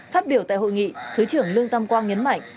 phát biểu tại hội nghị thứ trưởng lương tam quang nhấn mạnh